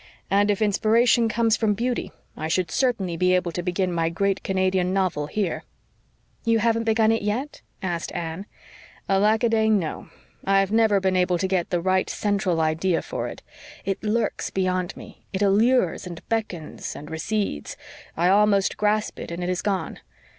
And if inspiration comes from beauty, I should certainly be able to begin my great Canadian novel here." "You haven't begun it yet?" asked Anne. "Alack a day, no. I've never been able to get the right central idea for it. It lurks beyond me it allures and beckons and recedes I almost grasp it and it is gone.